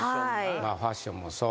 ファッションもそう。